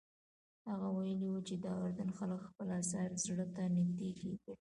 هغه ویلي وو چې د اردن خلک خپل اثار زړه ته نږدې ګڼي.